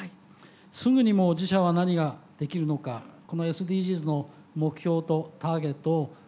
すぐにも自社は何ができるのかこのＳＤＧｓの目標とターゲットを使って考えていく。